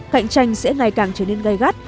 cạnh tranh sẽ ngày càng trở nên gây gắt